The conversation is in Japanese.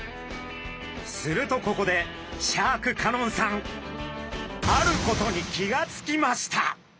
するとここでシャーク香音さんあることに気が付きました！